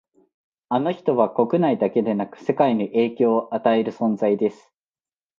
あの人は国内だけでなく世界に影響を与える存在です